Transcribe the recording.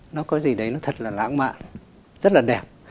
nó có gì đấy nó thật là lãng mạ rất là đẹp